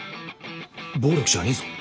暴力じゃねえぞ。